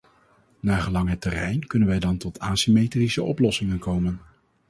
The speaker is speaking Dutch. Naargelang het terrein kunnen wij dan tot asymmetrische oplossingen komen.